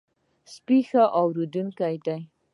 سپي ښه اورېدونکي دي.